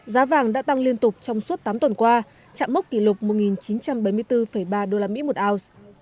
giá vàng đã tăng liên tục trong suốt tám tuần qua chạm mốc kỷ lục một chín trăm bảy mươi bốn ba usd một ounce